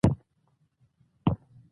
احمد يې له ځمکې سره سم کړ.